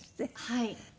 はい。